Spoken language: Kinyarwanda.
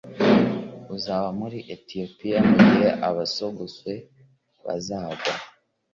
uzaba muri Etiyopiya igihe abasogoswe bazagwa